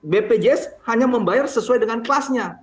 bpjs hanya membayar sesuai dengan kelasnya